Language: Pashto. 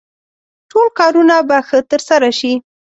ټول کارونه به ښه ترسره شي.